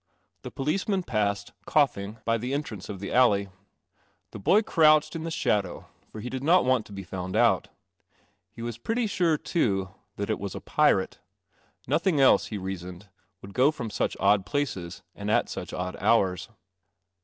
The policeman : I, coughing, by the en THE CELESTIAL OMNIBUS trance of the alley. The boy crouched in the shadow, for he did not want to be found out. He was pretty sure, too, that it was a Pirate; nothing else, he reasoned, would go from such odd places and at such odd hours.